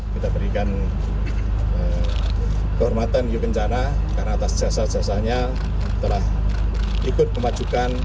kita berikan kehormatan hiu kencana karena atas jasa jasanya telah ikut memajukan